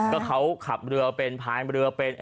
ก็เขาขับเรือเป็นพายเรือเป็น